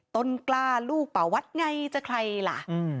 ต้นกล้าลูกป่าวัดไงจะใครล่ะ